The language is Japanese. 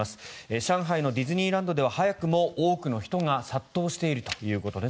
上海のディズニーランドでは早くも多くの人が殺到しているということです。